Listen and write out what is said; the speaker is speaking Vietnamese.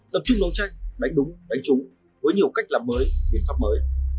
tập trung đấu tranh đánh đúng đánh trúng với nhiều cách làm mới biện pháp mới